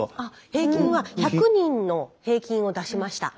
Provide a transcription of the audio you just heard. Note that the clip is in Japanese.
平均は１００人の平均を出しました。